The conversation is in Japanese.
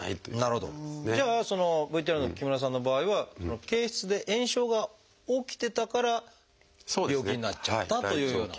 じゃあそのＶＴＲの木村さんの場合は憩室で炎症が起きてたから病気になっちゃったというような。